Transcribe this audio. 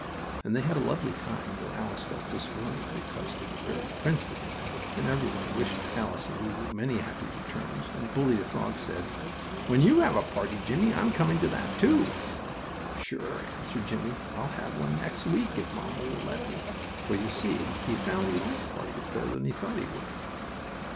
They had a lovely time, though Alice felt disappointed because the fairy prince didn't come, and everyone wished Alice and Lulu many happy returns, and Bully, the frog, said: "When you have a party, Jimmie, I'm coming to that, too." "Sure," answered Jimmie. "I'll have one next week, if mamma will let me," for you see he found he liked parties better than he thought he would.